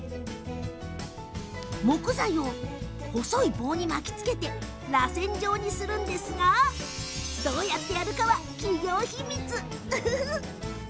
木材を細い棒に巻きつけてらせん状にしていきますがどうやるのかは企業秘密だそう。